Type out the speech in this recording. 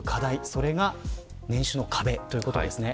それが年収の壁ということですね。